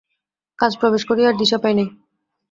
কাজে প্রবেশ করিয়া আর দিশা পাই না।